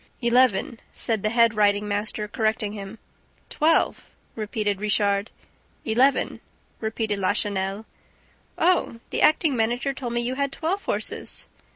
"Eleven," said the head riding master, correcting him. "Twelve," repeated Richard. "Eleven," repeated Lachenel. "Oh, the acting manager told me that you had twelve horses!"